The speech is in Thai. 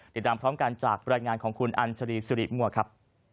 ติดตามพร้อมกันจากบริษัทงานของคุณอันชรีสุริมวะครับ